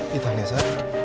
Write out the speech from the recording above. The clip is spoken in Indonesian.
kita tahan ya sa